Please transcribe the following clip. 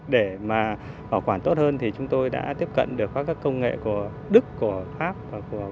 để mà bảo quản tốt hơn thì chúng tôi đã tiếp cận được các công nghệ của đức của pháp và của